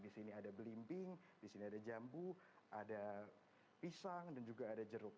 di sini ada belimbing di sini ada jambu ada pisang dan juga ada jeruk